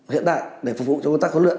hiện đại để phục vụ cho công tác huấn luyện